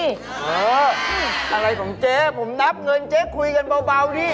อะไรของเจ๊ผมนับเงินเจ๊คุยกันเบาดิ